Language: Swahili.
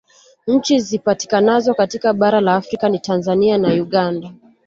Nchi zipatikanazo katika bara la Afrika ni Tanzania na Uganda